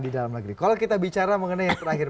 di dalam negeri kalau kita bicara mengenai yang terakhir